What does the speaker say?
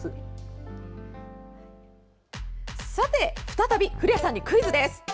再び古谷さんにクイズです！